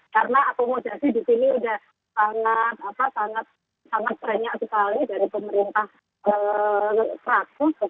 karena apomodasi di sini sudah sangat banyak sekali dari pemerintah teraku